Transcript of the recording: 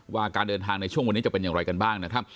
ว่าการเดินทางในช่วงวันนี้จะเป็นอย่างไรกันบ้างนะครับ